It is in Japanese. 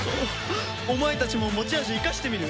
お前たちも持ち味生かしてみる？